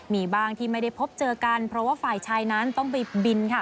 มีบ้างที่ไม่ได้พบเจอกันเพราะว่าฝ่ายชายนั้นต้องไปบินค่ะ